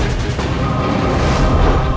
kedai yang menangis